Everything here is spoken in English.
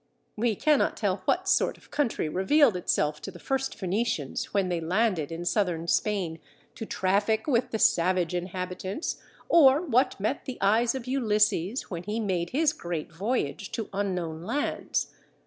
We cannot tell what sort of country revealed itself to the first Phoenicians when they landed in Southern Spain to traffic with the savage inhabitants, or what met the eyes of Ulysses when he made his great voyage to unknown lands.